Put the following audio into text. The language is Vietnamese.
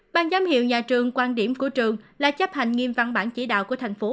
ban giám hiệu nhà trường quan điểm của trường là chấp hành nghiêm văn bản chỉ đạo của thành phố